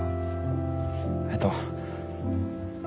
えっと。